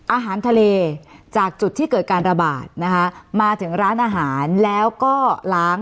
อาหารทะเลจากจุดที่เกิดการระบาดนะคะมาถึงร้านอาหารแล้วก็ล้าง